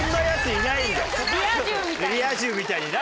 リア充みたいにな。